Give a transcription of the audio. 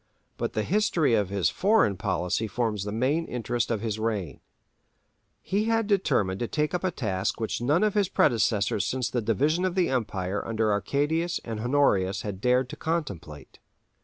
But the history of his foreign policy forms the main interest of his reign. He had determined to take up a task which none of his predecessors since the division of the Empire under Arcadius and Honorius had dared to contemplate.